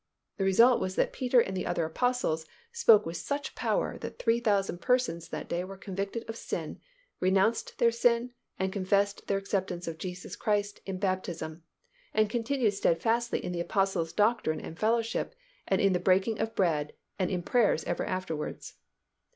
The result was that Peter and the other Apostles spoke with such power that three thousand persons that day were convicted of sin, renounced their sin and confessed their acceptance of Jesus Christ in baptism and continued steadfastly in the Apostles' doctrine and fellowship and in the breaking of bread and in prayers ever afterwards.